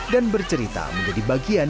dan bercerita menjadi bagian